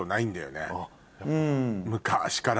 昔から。